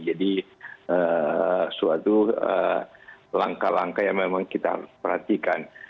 jadi ini adalah suatu langkah langkah yang memang kita perhatikan